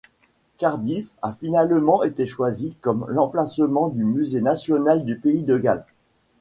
Cardiff a finalement été choisi comme l'emplacement du Musée national du pays de Galles.